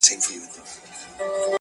ژړا، سلگۍ زما د ژوند د تسلسل نښه ده.